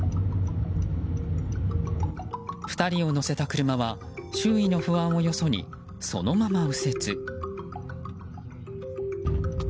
２人を乗せた車は周囲の不安をよそにそのまま右折。